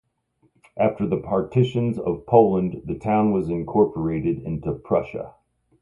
After the Partitions of Poland the town was incorporated into Prussia.